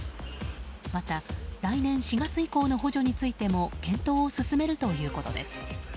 また、来年４月以降の補助についても検討を進めるということです。